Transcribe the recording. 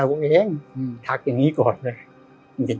วงเองทักอย่างนี้ก่อนเลย